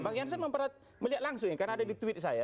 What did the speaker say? bang jansen melihat langsung ya karena ada di tweet saya